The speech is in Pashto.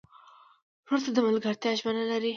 ورور ته د ملګرتیا ژمنه لرې.